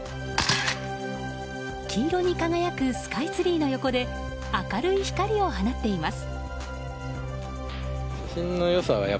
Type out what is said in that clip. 黄色に輝くスカイツリーの横で明るい光を放っています。